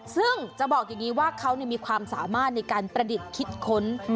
ซึ่งจะบอกอย่างนี้ว่าเขามีความสามารถในการประดิษฐ์คิดค้น